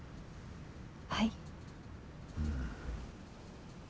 はい。